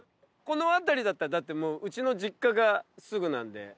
この辺りだったらうちの実家がすぐなんで。